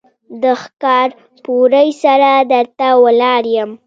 د ښکارپورۍ سره در ته ولاړ يم.